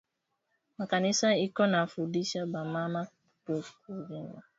Ma kanisa iko na fundisha ba mama ku rima na ku tumikisha ma Kaji